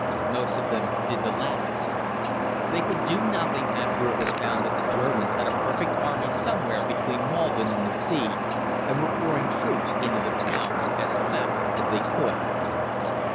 Most of them did the latter. They could do nothing after it was found that the Germans had a perfect army somewhere between Maldon and the sea, and were pouring troops into the town as fast as they could.